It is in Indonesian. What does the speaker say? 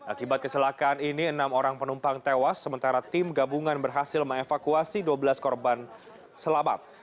akibat kecelakaan ini enam orang penumpang tewas sementara tim gabungan berhasil mengevakuasi dua belas korban selamat